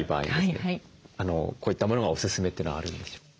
こういったものがおすすめというのはあるんでしょうか？